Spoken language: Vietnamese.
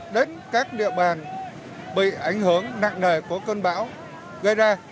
đến các địa bàn bị ảnh hưởng nặng nề của cơn bão gây ra